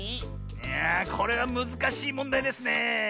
いやあこれはむずかしいもんだいですねえ。